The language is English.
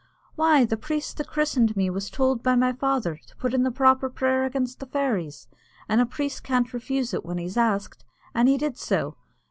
"Why, the priest that christened me was tould by my father, to put in the proper prayer against the fairies an' a priest can't refuse it when he's asked an' he did so.